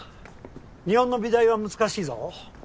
日本の美大は難しいぞ！